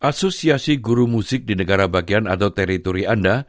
asosiasi guru musik di negara bagian atau teritori anda